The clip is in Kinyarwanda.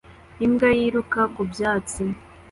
Imbwa yiruka ku byatsi